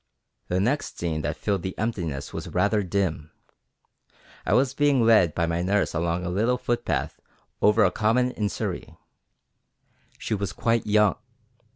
The next scene that filled the emptiness was rather dim: I was being led by my nurse along a little footpath over a common in Surrey. She was quite young.